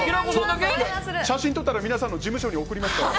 写真撮ったら皆さんの事務所に送りますから。